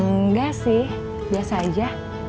enggak sih biasa aja